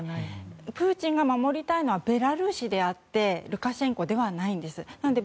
プーチンが守りたいのはベラルーシであってルカシェンコではないんです。